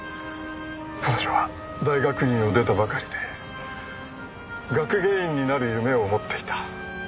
彼女は大学院を出たばかりで学芸員になる夢を持っていた。